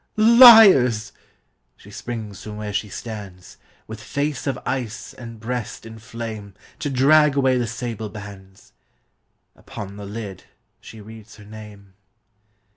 " Liars !" She springs from where she stands, With face of ice and breast in flame, To drag away the sable bands : Upon the lid she reads her name.